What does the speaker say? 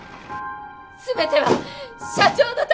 全ては社長のために！